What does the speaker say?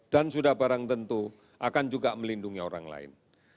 dan sudah barang tentu akan juga melindungi orang lain